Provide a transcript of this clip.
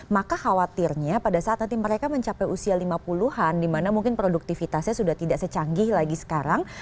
maka khawatirnya pada saat nanti mereka mencapai usia lima puluh an dimana mungkin produktivitasnya sudah tidak secanggih lagi sekarang